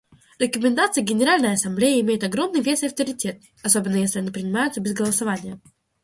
Рекомендации Генеральной Ассамблеи имеют огромный вес и авторитет, особенно если они принимаются без голосования.